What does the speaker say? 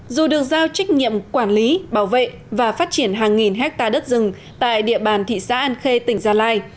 dù được giao trách nhiệm quản lý bảo vệ và phát triển hàng nghìn hectare đất rừng tại địa bàn thị xã an khê tỉnh gia lai